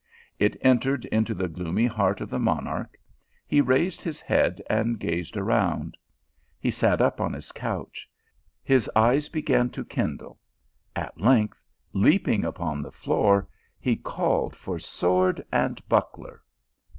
It entered into the gloomy heart of the monarch. He raised his head and gazed around ; he sat up on his couch ; his eye began to kindle ; at length, leaping upon the floor, he called for sword and buckler.